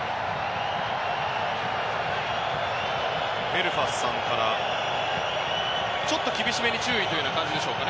エルファスさんからちょっと厳しめに注意という感じでしょうか。